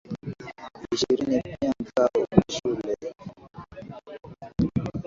ishirini Pia mkoa una shule za msingi zipatazo mia tisa hamsini Idadi hii ya